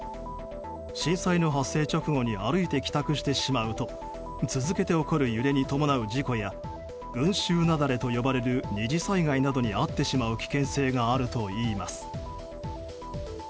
震災の発生直後に歩いて帰宅してしまうと続けて起こる揺れに伴う事故や群衆雪崩と呼ばれる二次災害などに遭ってしまう危険性があるといいます。